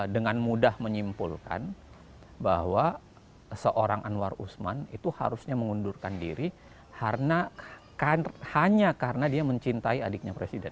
dengan mudah menyimpulkan bahwa seorang anwar usman itu harusnya mengundurkan diri hanya karena dia mencintai adiknya presiden